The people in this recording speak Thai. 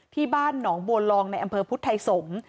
ที่บ้านหนองบัวลองในอำเภอพุทธไทยสงศ์